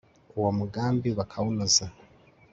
uwo mugambi bakawunoza